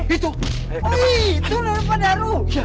itu pak daru